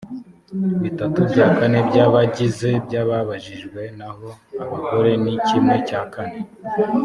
bitatu bya kane by’abagize byababajijwe naho abagore ni kimwe cya kane